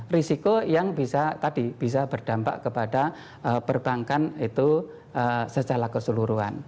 risiko yang bisa tadi bisa berdampak kepada perbankan itu secara keseluruhan